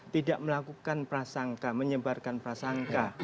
tidak melakukan prasangka menyebarkan prasangka